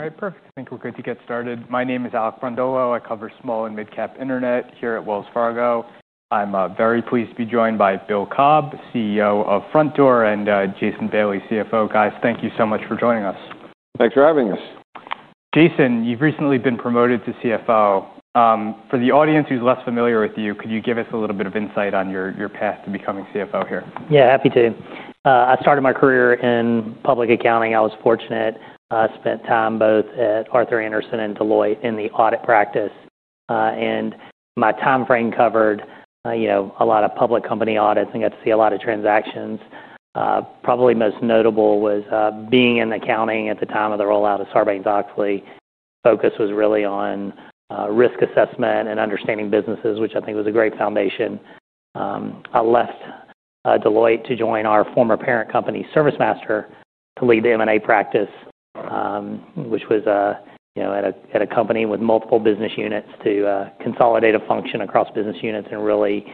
All right. Perfect. I think we're good to get started. My name is Alec Brondolo. I cover small and mid-cap internet here at Wells Fargo. I'm very pleased to be joined by Bill Cobb, CEO of Frontdoor, and Jason Bailey, CFO. Guys, thank you so much for joining us. Thanks for having us. Jason, you've recently been promoted to CFO. For the audience who's less familiar with you, could you give us a little bit of insight on your, your path to becoming CFO here? Yeah. Happy to. I started my career in public accounting. I was fortunate. I spent time both at Arthur Andersen and Deloitte in the audit practice, and my time frame covered, you know, a lot of public company audits. I got to see a lot of transactions. Probably most notable was, being in accounting at the time of the rollout of Sarbanes-Oxley. Focus was really on, risk assessment and understanding businesses, which I think was a great foundation. I left Deloitte to join our former parent company, ServiceMaster, to lead the M&A practice, which was, you know, at a company with multiple business units to, consolidate a function across business units and really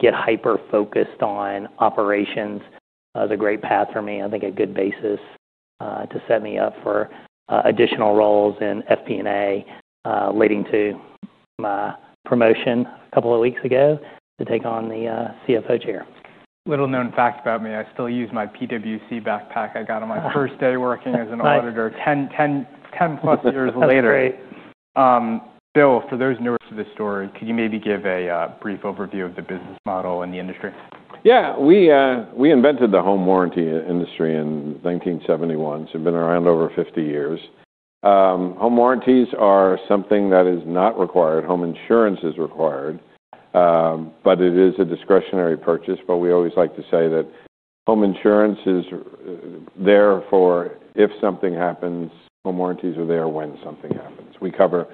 get hyper-focused on operations. It was a great path for me. I think a good basis, to set me up for, additional roles in FP&A, leading to my promotion a couple of weeks ago to take on the, CFO chair. Little-known fact about me. I still use my PwC backpack. I got on my first day working as an auditor. Oh. 10 plus years later. That's great. Bill, for those newer to the story, could you maybe give a brief overview of the business model and the industry? Yeah. We invented the home warranty industry in 1971, so we've been around over 50 years. Home warranties are something that is not required. Home insurance is required, but it is a discretionary purchase. We always like to say that home insurance is there if something happens. Home warranties are there when something happens. We cover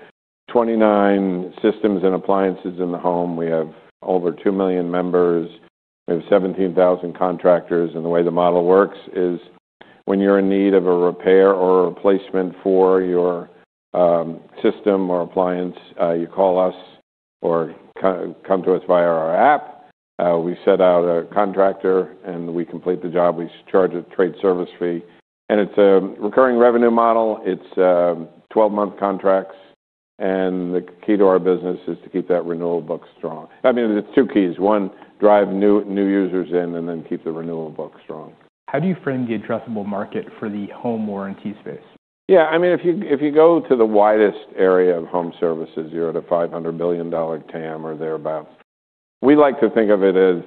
29 systems and appliances in the home. We have over two million members. We have 17,000 contractors. The way the model works is when you're in need of a repair or a replacement for your system or appliance, you call us or come to us via our app. We send out a contractor, and we complete the job. We charge a trade service fee. It's a recurring revenue model. It's 12-month contracts. The key to our business is to keep that renewal book strong. I mean, it's two keys. One, drive new, new users in and then keep the renewal book strong. How do you frame the addressable market for the home warranty space? Yeah. I mean, if you go to the widest area of home services, you're at a $500 billion TAM or thereabouts. We like to think of it as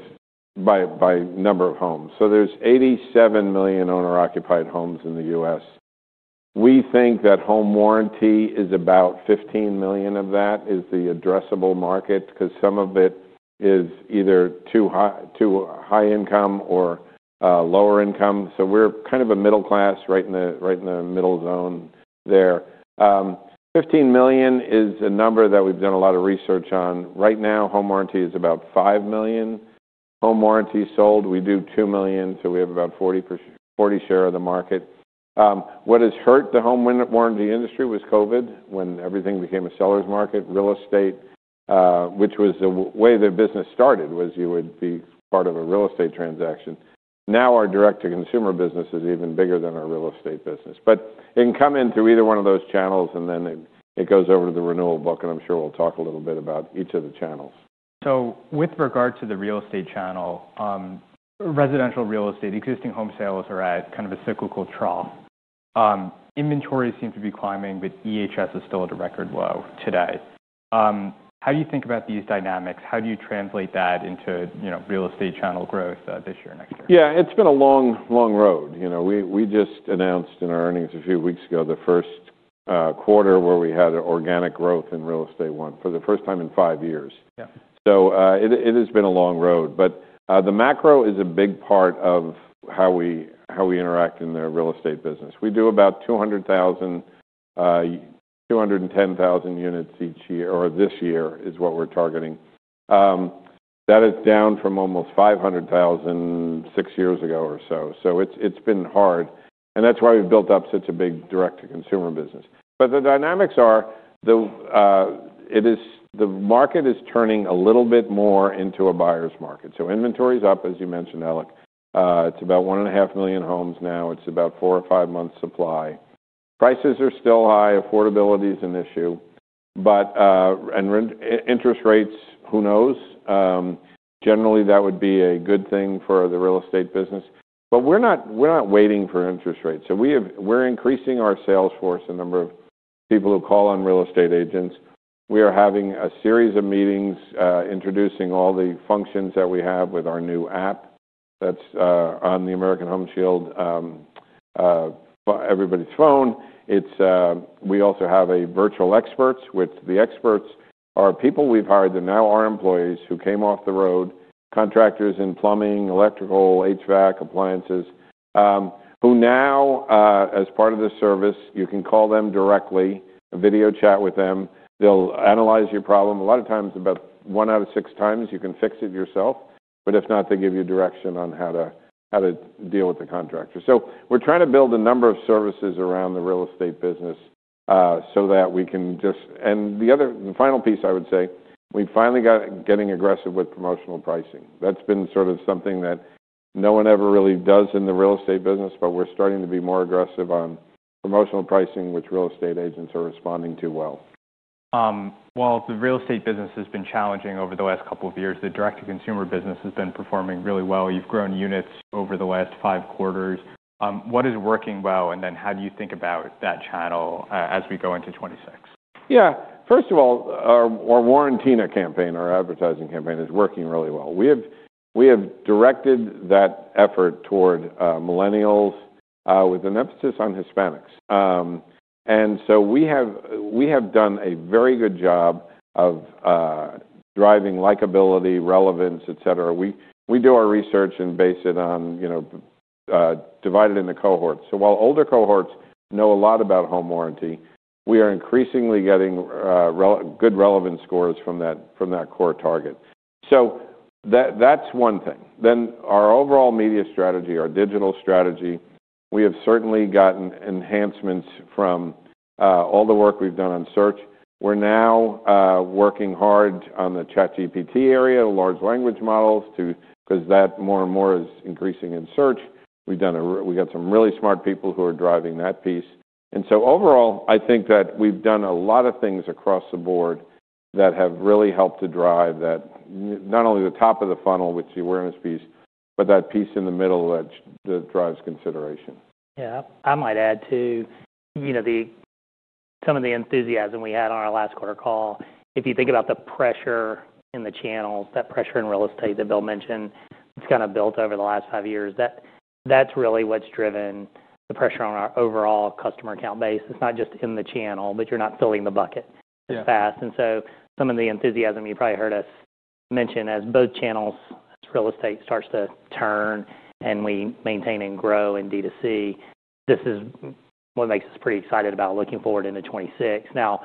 by, by number of homes. So there's 87 million owner-occupied homes in the U.S. We think that home warranty is about 15 million of that is the addressable market because some of it is either too high, too high income or, lower income. So we're kind of a middle class right in the right in the middle zone there. 15 million is a number that we've done a lot of research on. Right now, home warranty is about 5 million. Home warranty sold, we do 2 million. So we have about 40% share of the market. What has hurt the home warranty industry was COVID when everything became a seller's market. Real estate, which was the way the business started, was you would be part of a real estate transaction. Now, our direct-to-consumer business is even bigger than our real estate business. It can come in through either one of those channels, and then it goes over to the renewal book. I'm sure we'll talk a little bit about each of the channels. With regard to the real estate channel, residential real estate, existing home sales are at kind of a cyclical trough. Inventory seems to be climbing, but EHS is still at a record low today. How do you think about these dynamics? How do you translate that into, you know, real estate channel growth, this year and next year? Yeah. It's been a long, long road. You know, we just announced in our earnings a few weeks ago the first quarter where we had organic growth in real estate for the first time in five years. Yeah. It has been a long road. The macro is a big part of how we interact in the real estate business. We do about 200,000-210,000 units each year, or this year is what we're targeting. That is down from almost 500,000 six years ago or so. It's been hard. That's why we've built up such a big direct-to-consumer business. The dynamics are, the market is turning a little bit more into a buyer's market. Inventory is up, as you mentioned, Alec. It's about 1.5 million homes now. It's about four or five months' supply. Prices are still high. Affordability is an issue. Rent, interest rates, who knows? Generally, that would be a good thing for the real estate business. We're not waiting for interest rates. We are increasing our sales force, the number of people who call on real estate agents. We are having a series of meetings, introducing all the functions that we have with our new app that's on the American Home Shield, everybody's phone. We also have virtual experts, which, the experts are people we've hired that now are employees who came off the road, contractors in plumbing, electrical, HVAC, appliances, who now, as part of the service, you can call them directly, video chat with them. They'll analyze your problem. A lot of times, about one out of six times, you can fix it yourself. If not, they give you direction on how to deal with the contractor. We're trying to build a number of services around the real estate business, so that we can just, and the other, the final piece, I would say, we've finally got getting aggressive with promotional pricing. That's been sort of something that no one ever really does in the real estate business. We're starting to be more aggressive on promotional pricing, which real estate agents are responding to well. The real estate business has been challenging over the last couple of years. The direct-to-consumer business has been performing really well. You've grown units over the last five quarters. What is working well? How do you think about that channel, as we go into 2026? Yeah. First of all, our warranty campaign, our advertising campaign, is working really well. We have directed that effort toward millennials, with an emphasis on Hispanics. We have done a very good job of driving likability, relevance, etc. We do our research and base it on, you know, divide it into cohorts. While older cohorts know a lot about home warranty, we are increasingly getting really good relevance scores from that core target. That is one thing. Our overall media strategy, our digital strategy, we have certainly gotten enhancements from all the work we have done on search. We are now working hard on the ChatGPT area, large language models, because that more and more is increasing in search. We have some really smart people who are driving that piece. Overall, I think that we've done a lot of things across the board that have really helped to drive that not only the top of the funnel, which is the awareness piece, but that piece in the middle that drives consideration. Yeah. I might add to, you know, some of the enthusiasm we had on our last quarter call. If you think about the pressure in the channels, that pressure in real estate that Bill mentioned, it's kind of built over the last five years. That's really what's driven the pressure on our overall customer account base. It's not just in the channel, but you're not filling the bucket. Yeah. As fast. And so some of the enthusiasm you probably heard us mention as both channels, as real estate starts to turn and we maintain and grow in DTC, this is what makes us pretty excited about looking forward into 2026. Now,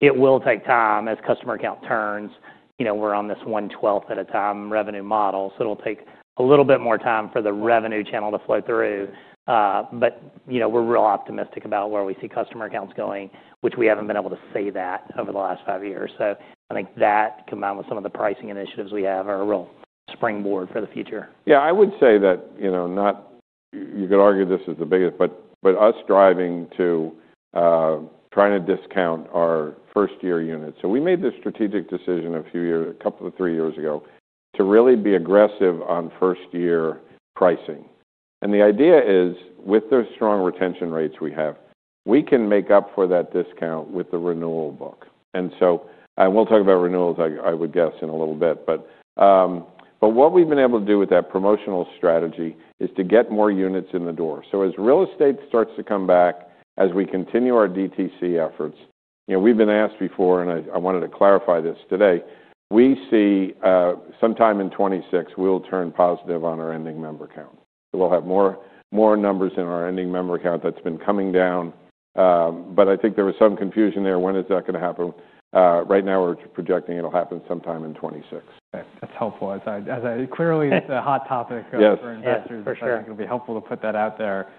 it will take time as customer account turns. You know, we're on this one-twelfth at a time revenue model. So it'll take a little bit more time for the revenue channel to flow through. But, you know, we're real optimistic about where we see customer accounts going, which we haven't been able to see that over the last five years. So I think that, combined with some of the pricing initiatives we have, are a real springboard for the future. Yeah. I would say that, you know, not you could argue this is the biggest, but us driving to, trying to discount our first-year units. We made this strategic decision a few years, a couple of three years ago, to really be aggressive on first-year pricing. The idea is, with those strong retention rates we have, we can make up for that discount with the renewal book. We will talk about renewals, I would guess, in a little bit. What we have been able to do with that promotional strategy is to get more units in the door. As real estate starts to come back, as we continue our DTC efforts, you know, we have been asked before, and I wanted to clarify this today. We see, sometime in 2026, we will turn positive on our ending member count. We'll have more numbers in our ending member count. That's been coming down, but I think there was some confusion there. When is that going to happen? Right now, we're projecting it'll happen sometime in 2026. Okay. That's helpful. As I, as I, clearly, it's a hot topic. Yes. For investors. For sure. It's going to be helpful to put that out there.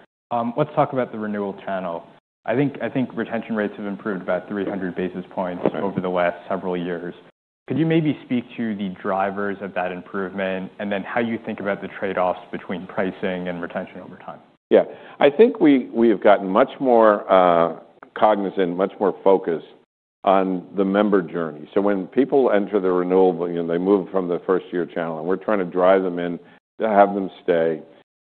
Let's talk about the renewal channel. I think retention rates have improved about 300 basis points. Right. Over the last several years, could you maybe speak to the drivers of that improvement and then how you think about the trade-offs between pricing and retention over time? Yeah. I think we have gotten much more cognizant, much more focused on the member journey. When people enter the renewal, you know, they move from the first-year channel, and we're trying to drive them in to have them stay.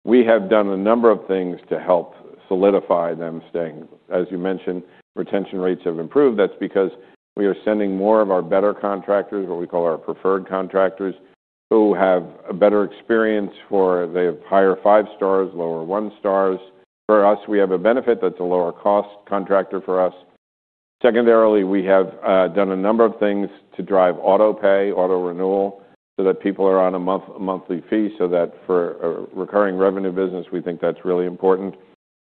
We have done a number of things to help solidify them staying. As you mentioned, retention rates have improved. That's because we are sending more of our better contractors, what we call our preferred contractors, who have a better experience for they have higher five stars, lower one stars. For us, we have a benefit. That's a lower-cost contractor for us. Secondarily, we have done a number of things to drive autopay, auto-renewal so that people are on a month-monthly fee so that for a recurring revenue business, we think that's really important.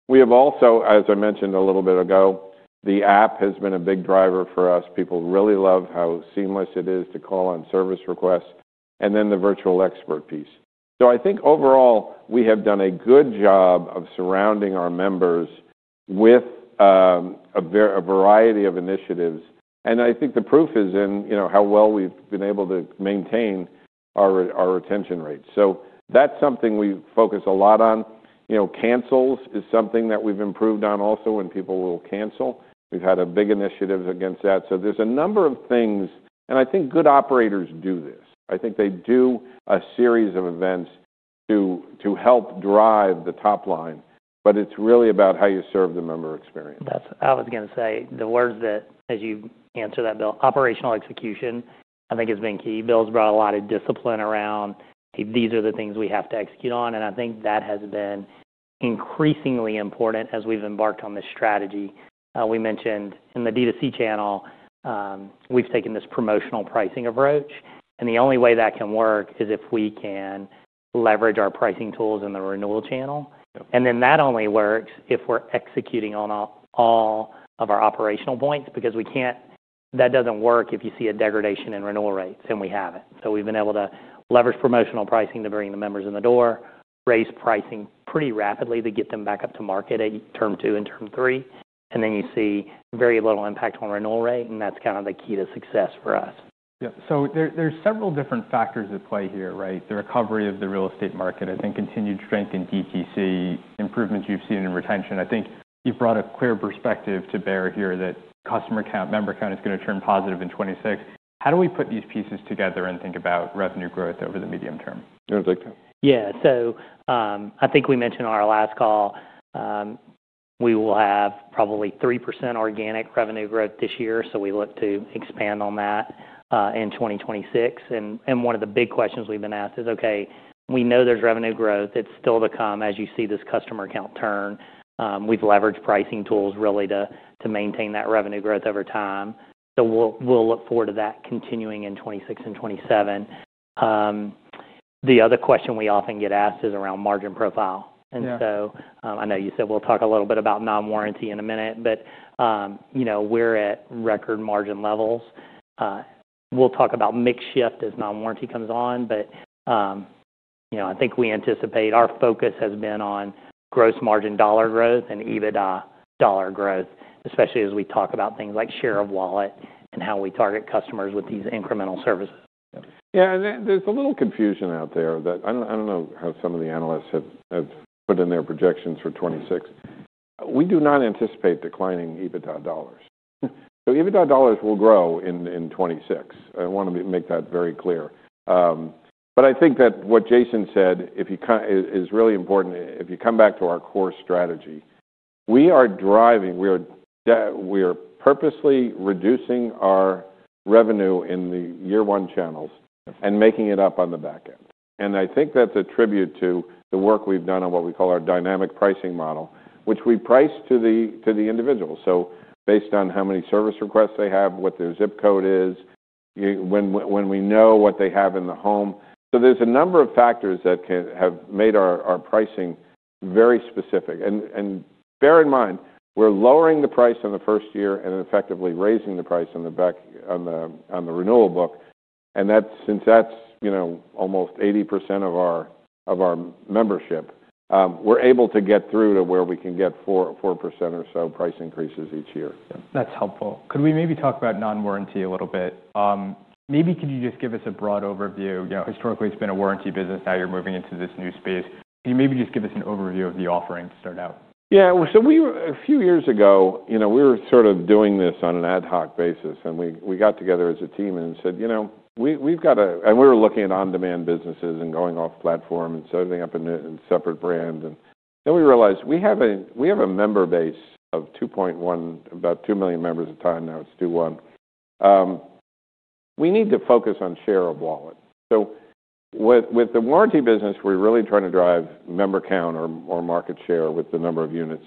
We have also, as I mentioned a little bit ago, the app has been a big driver for us. People really love how seamless it is to call on service requests and then the virtual expert piece. I think overall, we have done a good job of surrounding our members with a variety of initiatives. I think the proof is in, you know, how well we've been able to maintain our retention rates. That's something we focus a lot on. You know, cancels is something that we've improved on also when people will cancel. We've had a big initiative against that. There's a number of things. I think good operators do this. I think they do a series of events to help drive the top line. It's really about how you serve the member experience. That's, I was going to say, the words that, as you answer that, Bill, operational execution, I think, has been key. Bill's brought a lot of discipline around, "Hey, these are the things we have to execute on." I think that has been increasingly important as we've embarked on this strategy. We mentioned in the DTC channel, we've taken this promotional pricing approach. The only way that can work is if we can leverage our pricing tools in the renewal channel. Yeah. That only works if we're executing on all of our operational points because we can't, that doesn't work if you see a degradation in renewal rates, and we have it. We've been able to leverage promotional pricing to bring the members in the door, raise pricing pretty rapidly to get them back up to market at term two and term three. You see very little impact on renewal rate. That's kind of the key to success for us. Yeah. There are several different factors at play here, right? The recovery of the real estate market, I think, continued strength in DTC, improvements you've seen in retention. I think you've brought a clear perspective to bear here that customer account, member account is going to turn positive in 2026. How do we put these pieces together and think about revenue growth over the medium term? Yeah. I think. Yeah. I think we mentioned on our last call, we will have probably 3% organic revenue growth this year. We look to expand on that in 2026. One of the big questions we've been asked is, "Okay. We know there's revenue growth. It's still to come, as you see this customer account turn." We've leveraged pricing tools really to maintain that revenue growth over time. We'll look forward to that continuing in 2026 and 2027. The other question we often get asked is around margin profile. Yeah. I know you said we'll talk a little bit about non-warranty in a minute. You know, we're at record margin levels. We'll talk about mix shift as non-warranty comes on. You know, I think we anticipate our focus has been on gross margin dollar growth and EBITDA dollar growth, especially as we talk about things like share of wallet and how we target customers with these incremental services. Yeah. And there's a little confusion out there that I don't know how some of the analysts have put in their projections for 2026. We do not anticipate declining EBITDA dollars. EBITDA dollars will grow in 2026. I want to make that very clear. I think that what Jason said is really important. If you come back to our core strategy, we are driving, we are purposely reducing our revenue in the year one channels and making it up on the back end. I think that's a tribute to the work we've done on what we call our dynamic pricing model, which we price to the individual. So based on how many service requests they have, what their ZIP code is, when we know what they have in the home. There are a number of factors that have made our pricing very specific. Bear in mind, we're lowering the price on the first year and effectively raising the price on the renewal book. Since that's almost 80% of our membership, we're able to get to where we can get 4-4% or so price increases each year. Yeah. That's helpful. Could we maybe talk about non-warranty a little bit? Maybe could you just give us a broad overview? You know, historically, it's been a warranty business. Now you're moving into this new space. Can you maybe just give us an overview of the offering to start out? Yeah. A few years ago, you know, we were sort of doing this on an ad hoc basis. We got together as a team and said, "You know, we've got a," and we were looking at on-demand businesses and going off platform and serving up a separate brand. Then we realized we have a member base of 2.1, about 2 million members at the time. Now it's 2.1. We need to focus on share of wallet. With the warranty business, we're really trying to drive member count or market share with the number of units.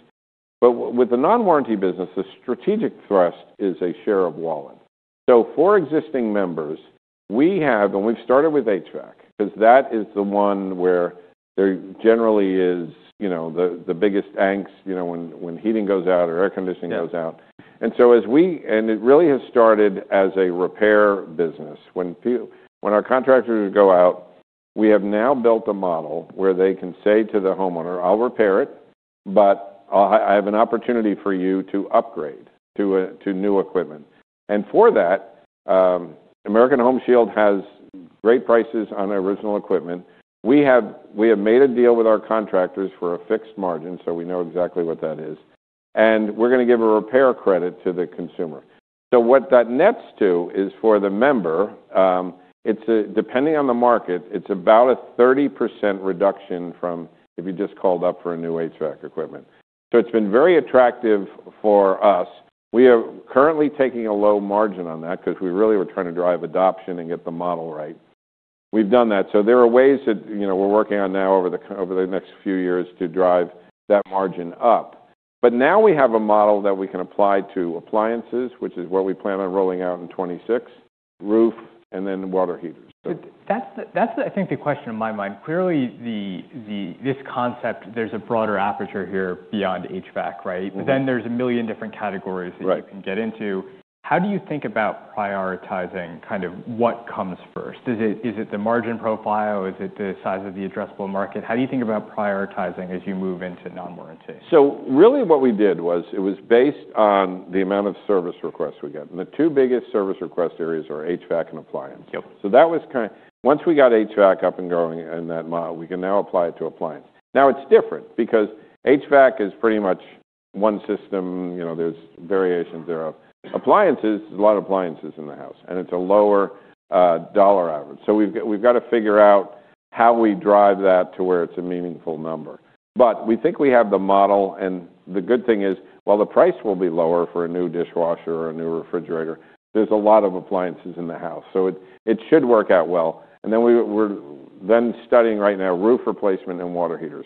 With the non-warranty business, the strategic thrust is share of wallet. For existing members, we have and we've started with HVAC because that is the one where there generally is, you know, the biggest angst, you know, when heating goes out or air conditioning goes out. Yeah. As we and it really has started as a repair business. When our contractors go out, we have now built a model where they can say to the homeowner, "I'll repair it, but I have an opportunity for you to upgrade to new equipment." For that, American Home Shield has great prices on original equipment. We have made a deal with our contractors for a fixed margin, so we know exactly what that is. We're going to give a repair credit to the consumer. What that nets to is for the member, depending on the market, it's about a 30% reduction from if you just called up for new HVAC equipment. It's been very attractive for us. We are currently taking a low margin on that because we really were trying to drive adoption and get the model right. We've done that. There are ways that, you know, we're working on now over the next few years to drive that margin up. Now we have a model that we can apply to appliances, which is what we plan on rolling out in 2026, roof, and then water heaters. That's the, I think the question in my mind. Clearly, this concept, there's a broader aperture here beyond HVAC, right? Mm-hmm. There are a million different categories. Right. That you can get into. How do you think about prioritizing kind of what comes first? Is it the margin profile? Is it the size of the addressable market? How do you think about prioritizing as you move into non-warranty? Really what we did was it was based on the amount of service requests we get. The two biggest service request areas are HVAC and appliance. Yep. That was kind of once we got HVAC up and going in that model, we can now apply it to appliance. Now it's different because HVAC is pretty much one system. You know, there's variations thereof. Appliances, there's a lot of appliances in the house. And it's a lower, dollar average. We've got to figure out how we drive that to where it's a meaningful number. We think we have the model. The good thing is, while the price will be lower for a new dishwasher or a new refrigerator, there's a lot of appliances in the house. It should work out well. We are studying right now roof replacement and water heaters.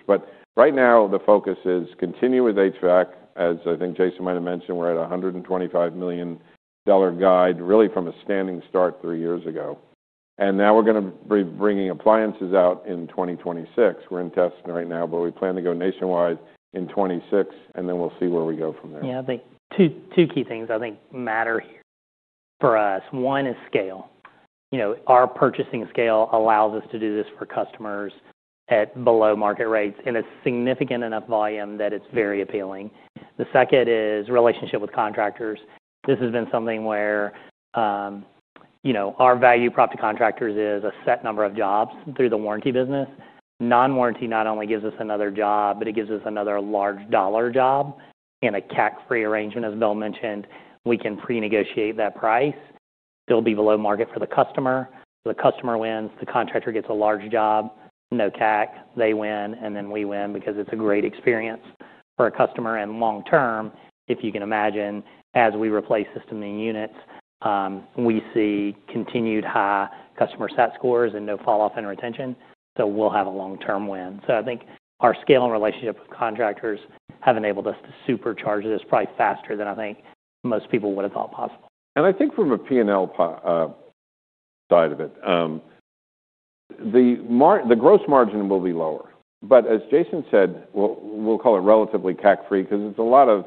Right now, the focus is continue with HVAC, as I think Jason might have mentioned. We're at a $125 million guide, really from a standing start three years ago. Now we're going to be bringing appliances out in 2026. We're in testing right now, but we plan to go nationwide in 2026. We'll see where we go from there. Yeah. I think two key things I think matter here for us. One is scale. You know, our purchasing scale allows us to do this for customers at below market rates in a significant enough volume that it's very appealing. The second is relationship with contractors. This has been something where, you know, our value prop to contractors is a set number of jobs through the warranty business. Non-warranty not only gives us another job, but it gives us another large dollar job in a CAC-free arrangement, as Bill mentioned. We can pre-negotiate that price. It'll be below market for the customer. The customer wins. The contractor gets a large job, no CAC. They win, and then we win because it's a great experience for a customer and long-term, if you can imagine. As we replace system and units, we see continued high customer sat scores and no falloff in retention. We'll have a long-term win. I think our scale and relationship with contractors have enabled us to supercharge this probably faster than I think most people would have thought possible. I think from a P&L side of it, the gross margin will be lower. As Jason said, we'll call it relatively CAC-free because it's a lot of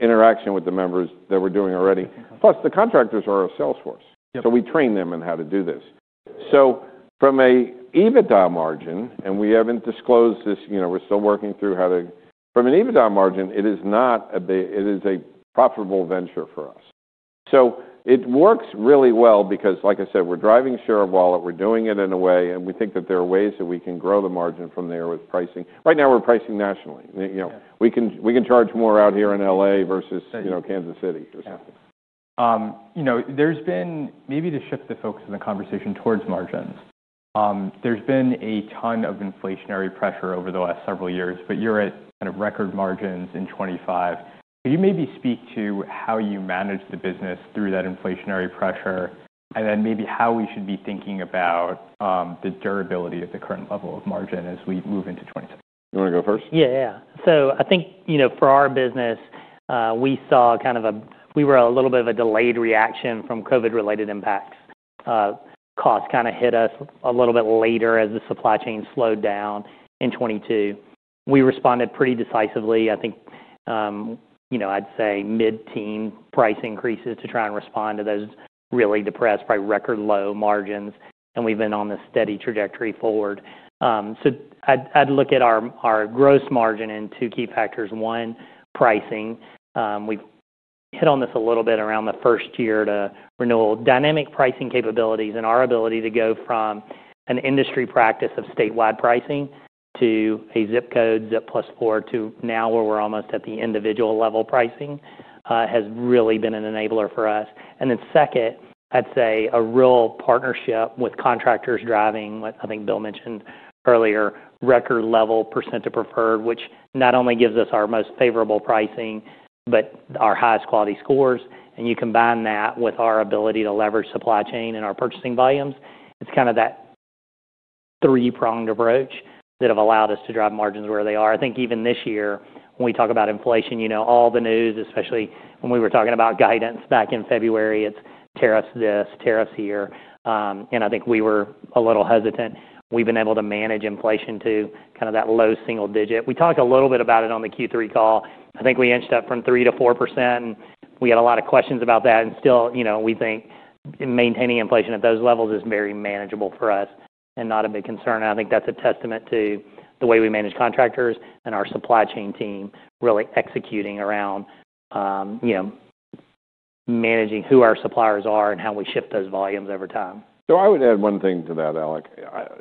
interaction with the members that we're doing already. Plus, the contractors are our sales force. Yep. We train them in how to do this. From an EBITDA margin, and we have not disclosed this, you know, we are still working through how to. From an EBITDA margin, it is a profitable venture for us. It works really well because, like I said, we are driving share of wallet. We are doing it in a way, and we think that there are ways that we can grow the margin from there with pricing. Right now, we are pricing nationally, you know. Yeah. We can charge more out here in LA versus, you know, Kansas City or something. Yeah. You know, there's been, maybe to shift the focus of the conversation towards margins, there's been a ton of inflationary pressure over the last several years. You are at kind of record margins in 2025. Could you maybe speak to how you manage the business through that inflationary pressure and then maybe how we should be thinking about the durability of the current level of margin as we move into 2026? You want to go first? Yeah. Yeah. So I think, you know, for our business, we saw kind of a, we were a little bit of a delayed reaction from COVID-related impacts. Cost kind of hit us a little bit later as the supply chain slowed down in 2022. We responded pretty decisively. I think, you know, I'd say mid-teen % price increases to try and respond to those really depressed, probably record low margins. And we've been on this steady trajectory forward. I'd look at our gross margin in two key factors. One, pricing. We've hit on this a little bit around the first year to renewal dynamic pricing capabilities and our ability to go from an industry practice of statewide pricing to a ZIP code, ZIP Plus Four, to now where we're almost at the individual level pricing, has really been an enabler for us. Second, I'd say a real partnership with contractors driving what I think Bill mentioned earlier, record level percent of preferred, which not only gives us our most favorable pricing but our highest quality scores. You combine that with our ability to leverage supply chain and our purchasing volumes, it's kind of that three-pronged approach that have allowed us to drive margins where they are. I think even this year, when we talk about inflation, you know, all the news, especially when we were talking about guidance back in February, it's tariffs this, tariffs here. I think we were a little hesitant. We've been able to manage inflation to kind of that low single digit. We talked a little bit about it on the Q3 call. I think we inched up from 3% to 4%. We had a lot of questions about that. Still, you know, we think maintaining inflation at those levels is very manageable for us and not a big concern. I think that's a testament to the way we manage contractors and our supply chain team really executing around, you know, managing who our suppliers are and how we shift those volumes over time. I would add one thing to that, Alec,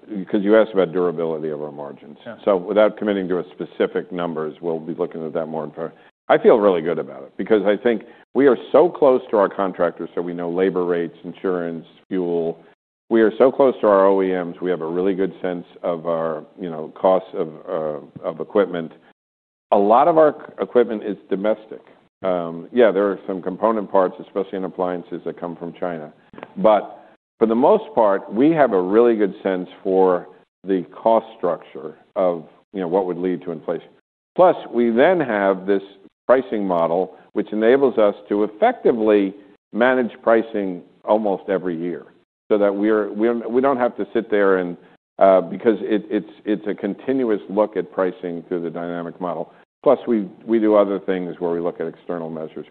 because you asked about durability of our margins. Yeah. Without committing to specific numbers, we'll be looking at that more in front. I feel really good about it because I think we are so close to our contractors. We know labor rates, insurance, fuel. We are so close to our OEMs. We have a really good sense of our, you know, costs of equipment. A lot of our equipment is domestic. Yeah, there are some component parts, especially in appliances, that come from China. For the most part, we have a really good sense for the cost structure of, you know, what would lead to inflation. Plus, we then have this pricing model, which enables us to effectively manage pricing almost every year so that we do not have to sit there and, because it is, it is a continuous look at pricing through the dynamic model. Plus, we do other things where we look at external measures.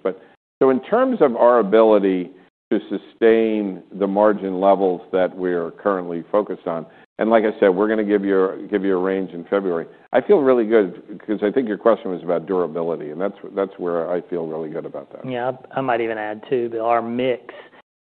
In terms of our ability to sustain the margin levels that we're currently focused on and like I said, we're going to give you a range in February. I feel really good because I think your question was about durability. That's where I feel really good about that. Yeah. I might even add to Bill, our mix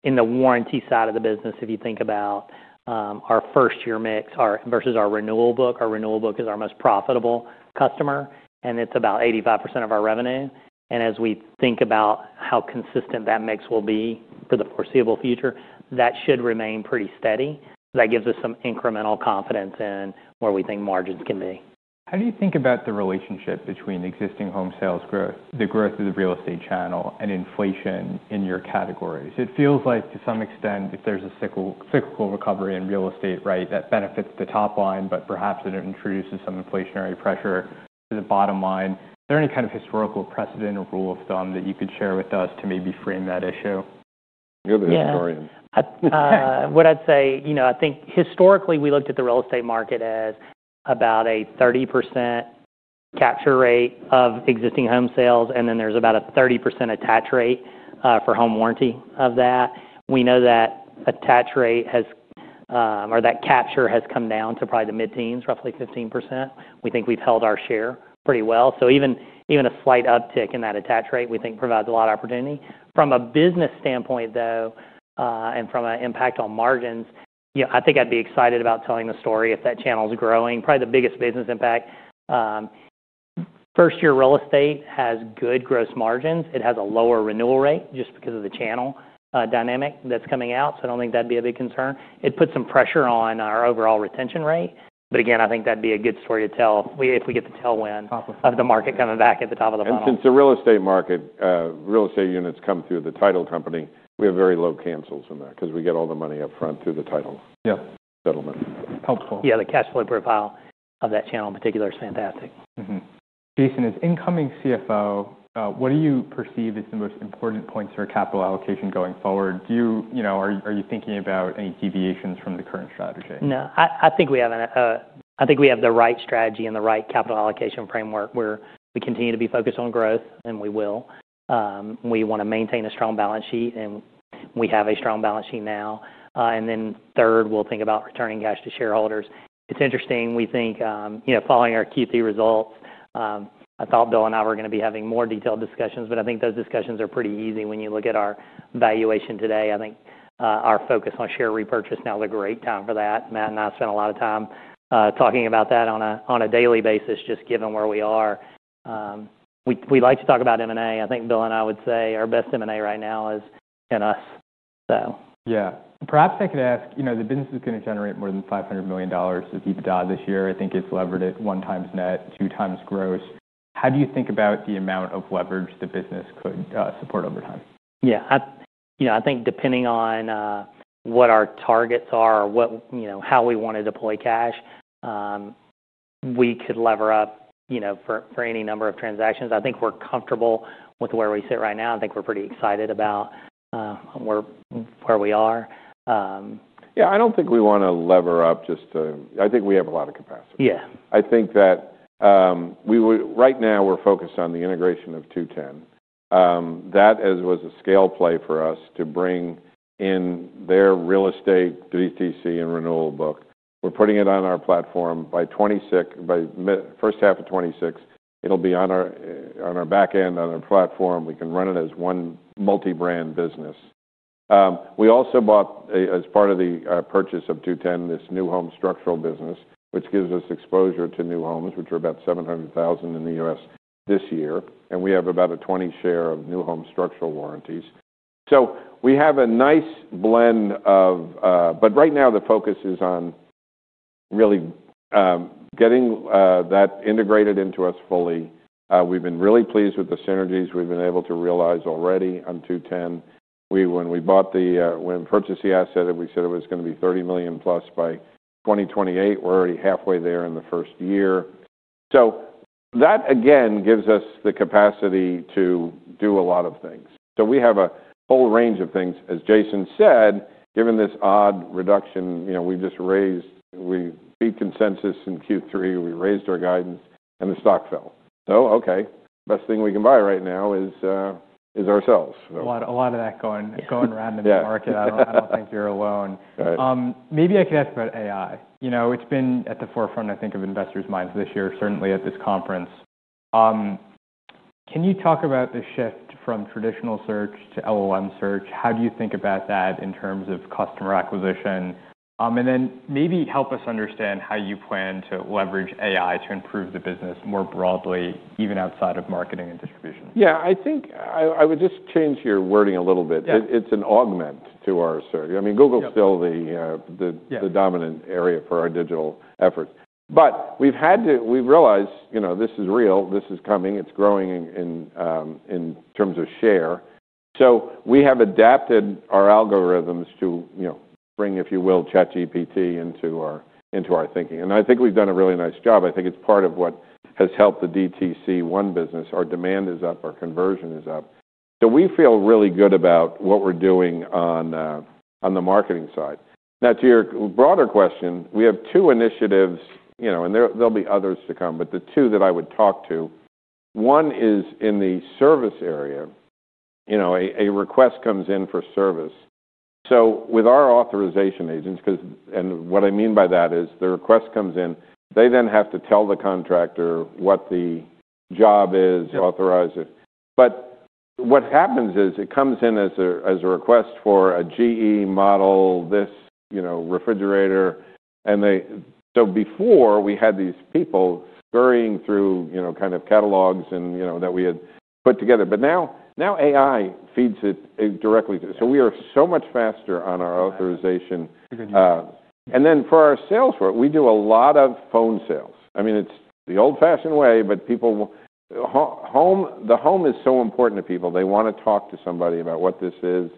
in the warranty side of the business, if you think about, our first-year mix versus our renewal book. Our renewal book is our most profitable customer. And it's about 85% of our revenue. As we think about how consistent that mix will be for the foreseeable future, that should remain pretty steady. That gives us some incremental confidence in where we think margins can be. How do you think about the relationship between existing home sales growth, the growth of the real estate channel, and inflation in your categories? It feels like, to some extent, if there's a cyclical recovery in real estate, right, that benefits the top line, but perhaps it introduces some inflationary pressure to the bottom line. Is there any kind of historical precedent or rule of thumb that you could share with us to maybe frame that issue? You're the historian. Yeah. What I'd say, you know, I think historically, we looked at the real estate market as about a 30% capture rate of existing home sales. And then there's about a 30% attach rate, for home warranty of that. We know that attach rate has, or that capture has come down to probably the mid-teens, roughly 15%. We think we've held our share pretty well. Even a slight uptick in that attach rate, we think, provides a lot of opportunity. From a business standpoint, though, and from an impact on margins, you know, I think I'd be excited about telling the story if that channel's growing. Probably the biggest business impact, first-year real estate has good gross margins. It has a lower renewal rate just because of the channel dynamic that's coming out. I don't think that'd be a big concern. It puts some pressure on our overall retention rate. Again, I think that'd be a good story to tell if we get to tell when. Probably. Of the market coming back at the top of the month. Since the real estate market, real estate units come through the title company, we have very low cancels in there because we get all the money up front through the title. Yep. Settlement. Helpful. Yeah. The cash flow profile of that channel in particular is fantastic. Mm-hmm. Jason, as incoming CFO, what do you perceive as the most important points for capital allocation going forward? Do you, you know, are you thinking about any deviations from the current strategy? No. I think we have the right strategy and the right capital allocation framework where we continue to be focused on growth, and we will. We want to maintain a strong balance sheet. We have a strong balance sheet now. Then third, we'll think about returning cash to shareholders. It's interesting. We think, you know, following our Q3 results, I thought Bill and I were going to be having more detailed discussions. I think those discussions are pretty easy when you look at our valuation today. I think our focus on share repurchase now is a great time for that. Matt and I spend a lot of time talking about that on a daily basis, just given where we are. We like to talk about M&A. I think Bill and I would say our best M&A right now is in us, so. Yeah. Perhaps I could ask, you know, the business is going to generate more than $500 million with EBITDA this year. I think it's levered at one times net, two times gross. How do you think about the amount of leverage the business could, support over time? Yeah. I, you know, I think depending on what our targets are, what, you know, how we want to deploy cash, we could lever up, you know, for any number of transactions. I think we're comfortable with where we sit right now. I think we're pretty excited about where we are. Yeah. I don't think we want to lever up just to, I think we have a lot of capacity. Yeah. I think that, we would right now, we're focused on the integration of 2-10. That, as was a scale play for us to bring in their real estate VTC and renewal book. We're putting it on our platform by 2026, by mid first half of 2026. It'll be on our back end, on our platform. We can run it as one multi-brand business. We also bought, as part of the purchase of 2-10, this new home structural business, which gives us exposure to new homes, which are about 700,000 in the U.S. this year. And we have about a 20% share of new home structural warranties. So we have a nice blend of, but right now, the focus is on really, getting that integrated into us fully. We've been really pleased with the synergies we've been able to realize already on 2-10. When we bought the, when we purchased the asset, we said it was going to be $30 million plus by 2028. We're already halfway there in the first year. That, again, gives us the capacity to do a lot of things. We have a whole range of things. As Jason said, given this odd reduction, you know, we've just raised, we beat consensus in Q3. We raised our guidance, and the stock fell. Okay. Best thing we can buy right now is ourselves. A lot of that going around in the market. Yeah. I don't think you're alone. Right. Maybe I can ask about AI. You know, it's been at the forefront, I think, of investors' minds this year, certainly at this conference. Can you talk about the shift from traditional search to LLM search? How do you think about that in terms of customer acquisition? And then maybe help us understand how you plan to leverage AI to improve the business more broadly, even outside of marketing and distribution. Yeah. I think I would just change your wording a little bit. Yeah. It, it's an augment to our search. I mean, Google's still the, the. Yeah. The dominant area for our digital efforts. We've realized, you know, this is real. This is coming. It's growing in terms of share. We have adapted our algorithms to, you know, bring, if you will, ChatGPT into our thinking. I think we've done a really nice job. I think it's part of what has helped the DTC1 business. Our demand is up. Our conversion is up. We feel really good about what we're doing on the marketing side. Now, to your broader question, we have two initiatives, you know, and there'll be others to come. The two that I would talk to, one is in the service area. You know, a request comes in for service. With our authorization agents, because what I mean by that is the request comes in. They then have to tell the contractor what the job is. Yeah. Authorize it. What happens is it comes in as a request for a GE model, this, you know, refrigerator. They, so before, we had these people scurrying through, you know, kind of catalogs and, you know, that we had put together. Now AI feeds it directly. We are so much faster on our authorization. Good news. And then for our sales work, we do a lot of phone sales. I mean, it's the old-fashioned way, but people want home, the home is so important to people. They want to talk to somebody about what this is,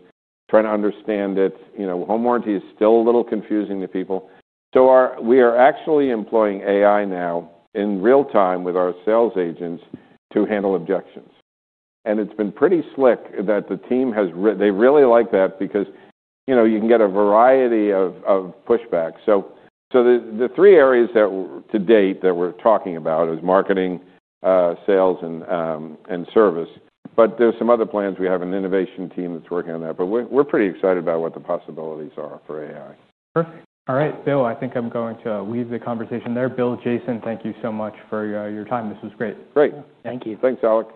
try to understand it. You know, home warranty is still a little confusing to people. We are actually employing AI now in real time with our sales agents to handle objections. And it's been pretty slick. The team has really liked that because, you know, you can get a variety of pushback. The three areas that to date that we're talking about are marketing, sales, and service. There are some other plans. We have an innovation team that's working on that. We're pretty excited about what the possibilities are for AI. Perfect. All right. Bill, I think I'm going to leave the conversation there. Bill, Jason, thank you so much for your time. This was great. Great. Thank you. Thanks, Alec.